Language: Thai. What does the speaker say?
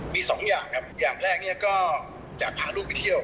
มีสองอย่างครับอย่างแรกเนี่ยก็จะพาลูกไปเที่ยว